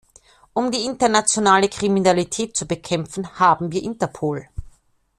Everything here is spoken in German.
Um die internationale Kriminalität zu bekämpfen, haben wir Interpol.